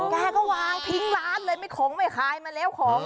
แกก็วางทิ้งร้านเลยไม่ของไม่ขายมาแล้วของ